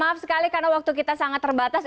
maaf sekali karena waktu kita sangat terbatas